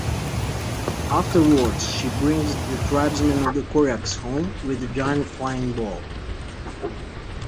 Afterwards she brings the tribesmen of the Koryaks home with a giant flying ball.